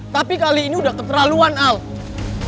tapi kali ini udah keterlaluan alv